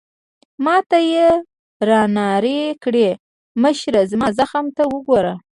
ما ته يې رانارې کړې: مشره، زما زخم ته وګوره.